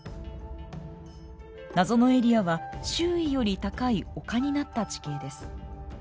謎のエリアは周囲より高い丘になった地形です。